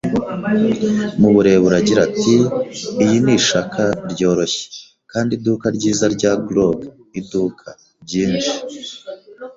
Mu burebure agira ati: “Iyi ni ishaka ryoroshye. “Kandi iduka ryiza rya grog-iduka. Byinshi